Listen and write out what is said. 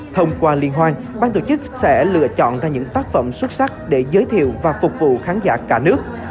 thông qua liên hoan bang tổ chức sẽ lựa chọn ra những tác phẩm xuất sắc để giới thiệu và phục vụ khán giả cả nước